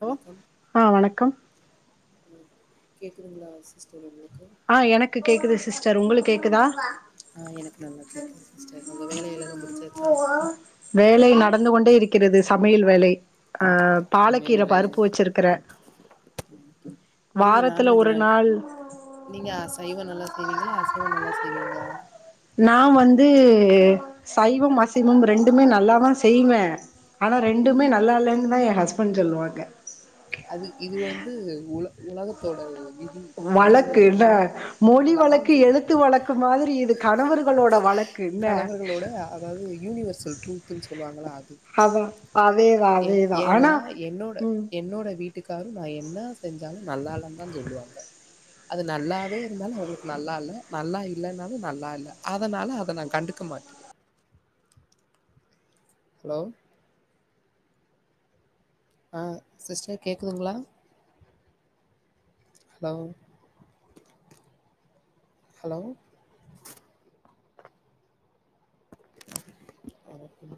hello வணக்கம் ஆஹ வணக்கம் கேக்குதுங்களா சிஸ்டர் உங்கள் ஆஹ் எனக்கு கேக்குது சிஸ் சார் உங்களுக்கு கேக்குதா ஆஹ் எனக்கு நல்லா கேக்குேன் சிஸ்டர் உங்க வேலை எல்லாரும் பிடிச்சாக்கா வேலை நடந்து கொண்டே இருக்கிறது சமையல் வேலை ஆஹ் பாலக்கீரை சமையல் பருப்பு வேலையா வச்சிருக்கிறேன் நீங்க வாரத்துல ஒரு நாள் சைவம் நல்லா செய்வீங்களா அசைவம் நல்லா செய்வீங்களா நான் வந்து சைவம் அசைவம் ரெண்டுமே நல்லா தான் செய்வேன் ஆனால் ரெண்டுமே நல்லா இல்லைன்னு தான் என் ஹஸ்பண்ட் சொல்லுவாங்க அது இது வந்து உல உலக தோட வழக்கு என்ன மொழி நா வழக்கு எழுத்து வழக்கு மாதிரி இது கணவர்களோட வழக்கு என்ன சொல்லுவாங்கள அது ஆமா அதேதான் ஏன்னா அதேதான் ஆனா உம் வீட்டுக்காரும் நா என்னா செஞ்சாலும் நல்லா இல்ல தான் சொல்லுவாங்க அது நல்லாவே இருந்தாலும் அவங்களுக்கு நல்லா இல்ல நல்லா இல்லைன்னாலும் நல்லா இல்ல அதனால அதை நான் கண்டுக்க மாட்டேன் ஹலோ ஆஹ சிஸ்டர் கேக்குதுங்களா ஹலோ ஹலோ [inaudible]